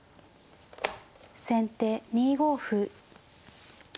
先手２五歩。